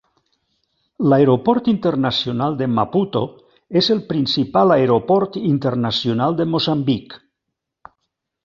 L'aeroport internacional de Maputo és el principal aeroport internacional de Moçambic.